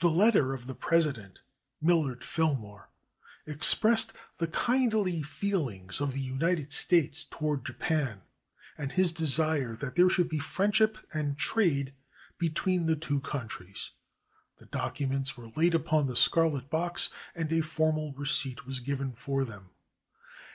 [The letter of the President, Millard Fillmore, ex pressed the kindly feelings of the United States toward Ja pan and his desire that there should be friendship and trade between the two countries. The documents were laid upon the scarlet box and a formal receipt was given for them.)